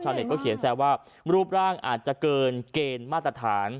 เน็ตก็เขียนแซวว่ารูปร่างอาจจะเกินเกณฑ์มาตรฐาน